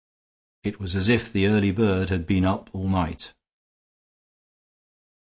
It was as if the early bird had been up all night.